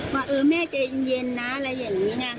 ว่าเออแม่ใจเย็นนะอะไรอย่างนี้ไง